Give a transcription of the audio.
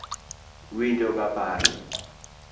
Winjo ga paro.